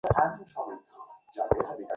তুমি পরীক্ষা করে দেখবে?